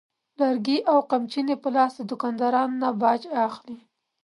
لرګي او قمچینې په لاس د دوکاندارانو نه باج اخلي.